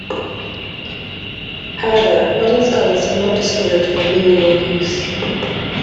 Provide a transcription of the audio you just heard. However, modern scholars have not discovered their meaning or use.